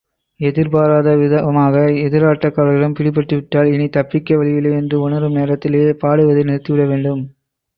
எதிர்பாராத விதமாக எதிராட்டக்காரர்களிடம் பிடிபட்டுவிட்டால், இனி தப்பிக்க வழியில்லை என்று உணரும் நேரத்திலேயே பாடுவதை நிறுத்திவிட வேண்டும்.